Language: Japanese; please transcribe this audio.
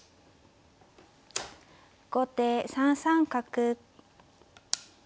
後手３三角。